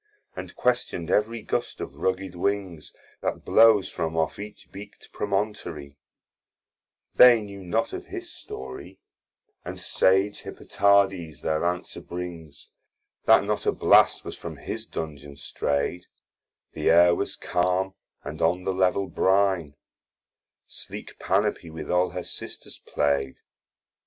And question'd every gust of rugged wings That blows from off each beaked Promontory, They knew not of his story, And sage Hippotades their answer brings, That not a blast was from his dungeon stray'd, The Ayr was calm, and on the level brine, Sleek Panope with all her sisters play'd.